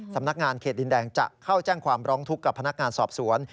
สำนักงานเขตดินแดงจะเข้าแจ้งความร้องทุกข์กับพนักงานสอบสวน